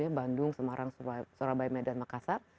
bandung semarang surabaya medan makassar